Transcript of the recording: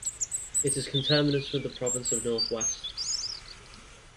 It is conterminous with the province of North West.